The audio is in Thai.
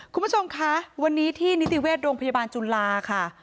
คุณผู้ชมคะวันนี้ที่นิติเวชโรงพยาบาลจุฬาค่ะ